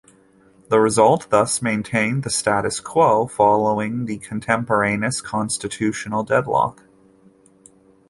The result thus maintained the status quo following the contemporaneous constitutional deadlock.